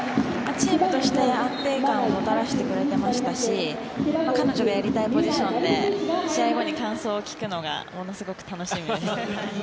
チームとして安定感をもたらしてくれていましたし彼女がやりたいポジションで試合後に感想を聞くのがものすごく楽しみです。